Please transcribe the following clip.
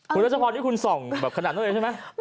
คุณรัชพรนี่คุณส่องแบบขนาดนั้นเลยใช่ไหม